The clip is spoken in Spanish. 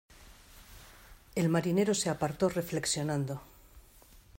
el marinero se apartó reflexionando.